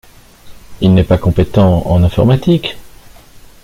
Il n’est pas compétent en informatique.